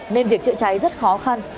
nên việc chạy cháy rất khó khăn